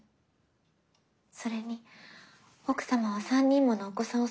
それに奥様は３人ものお子さんを育てておいででしょ。